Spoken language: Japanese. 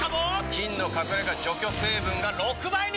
菌の隠れ家除去成分が６倍に！